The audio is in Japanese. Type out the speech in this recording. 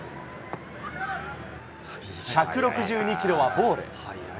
１６２キロはボール。